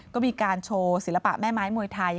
ก็มีการโชว์ศิลปะแม่ไม้มวยไทย